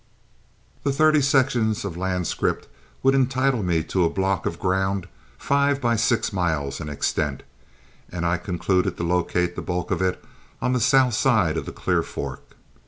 The thirty sections of land scrip would entitle me to a block of ground five by six miles in extent, and I concluded to locate the bulk of it on the south side of the Clear Fork.